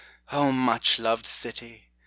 O much loved city !